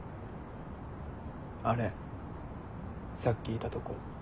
あれさっきいたとこ。